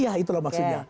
iya itulah maksudnya